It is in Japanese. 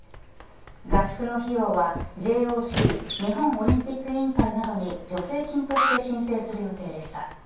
合宿の費用はＪＯＣ日本オリンピック委員会などに助成金として申請する予定でした。